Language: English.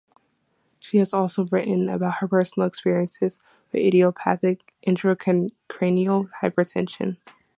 She has also written about her personal experiences with idiopathic intracranial hypertension.